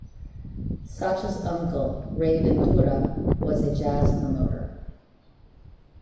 Sacha's uncle, Ray Ventura, was a jazz promoter.